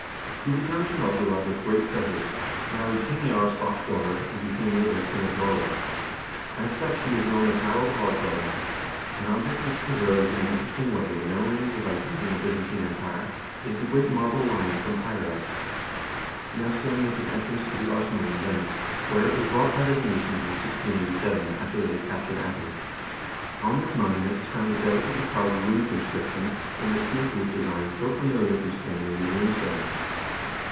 He returned to Novgorod with great treasures, married King Jaroslaf's daughter, and became later king of Norway. As such he is known as Harald Haardraade. An object which pre serves in an interesting way the memory of the Vikings in the Byzantine Empire is the great marble lion from Piraeus, now standing at the entrance to the arsenal in Venice, where it was brought by the Venetians in 1687, after they had captured Athens. On this monu ment is found a delicately carved runic inscription in the snake loop design so familiar from Scan dinavian rune stones.